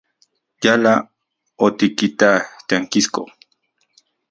Yala otikitak tiankisko.